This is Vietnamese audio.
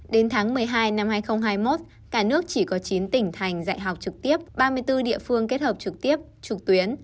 đến tháng một mươi hai năm hai nghìn hai mươi một cả nước chỉ có chín tỉnh thành dạy học trực tiếp ba mươi bốn địa phương kết hợp trực tiếp trực tuyến